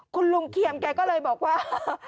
คุณลุงเคียมแกก็เลยบอกว่า